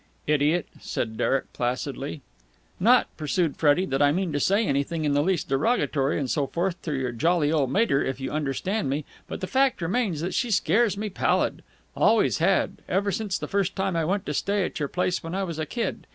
"Idiot!" said Derek placidly. "Not," pursued Freddie, "that I mean to say anything in the least derogatory and so forth to your jolly old mater, if you understand me, but the fact remains she scares me pallid. Always has, ever since the first time I went to stay at your place when I was a kid.